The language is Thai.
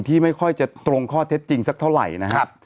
ไม่ค่อยจะตรงข้อเท็จจริงสักเท่าไหร่นะครับ